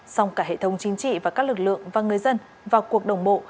song cả hệ thống chính trị và các lực lượng và người dân vào cuộc đồng bộ